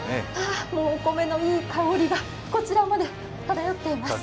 お米のいい香りがこちらまで漂っています。